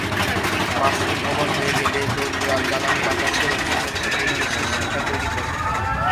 বাষ্পীভবন হয়ে গেলে জ্বালানি বাতাসের অক্সিজেনের সাথে মিশে শিখা তৈরি করে।